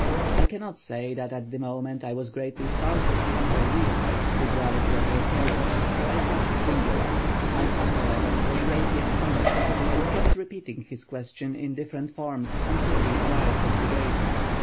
I cannot say that at the moment I was greatly startled, or realized the gravity of the occurrence, though I thought it singular. My son, however, was greatly astonished and kept repeating his question in different forms until we arrived at the gate.